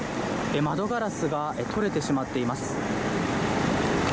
窓ガラスが取れてしまっています。